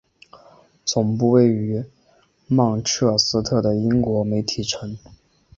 总部位于曼彻斯特的英国媒体城。